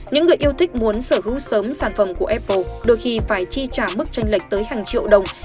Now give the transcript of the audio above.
những người yêu thích muốn sở hữu sớm sản phẩm của apple đôi khi phải chi trả bức tranh lệch tới hàng triệu đồng